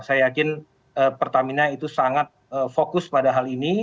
saya yakin pertamina itu sangat fokus pada hal ini